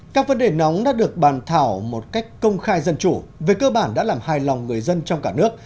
các vấn đề nóng đã được bàn thảo một cách công khai dân chủ về cơ bản đã làm hài lòng người dân trong cả nước